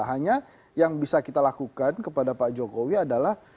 hanya yang bisa kita lakukan kepada pak jokowi adalah